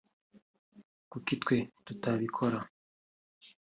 kuki twe tutabikora